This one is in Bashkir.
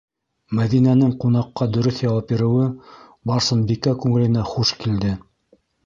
- Мәҙинәнең ҡунаҡҡа дөрөҫ яуап биреүе Барсынбикә күңеленә хуш килде.